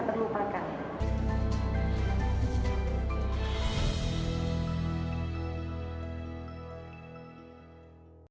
kaka itu bukan sekedar kaka bagi kami